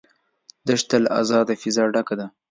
دښته له آزاده فضا ډکه ده.